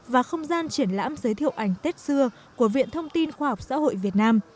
và không gian triển lãm giới thiệu ảnh tết xưa của viện thông tin khoa học xã hội việt nam